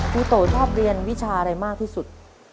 โตชอบเรียนวิชาอะไรมากที่สุด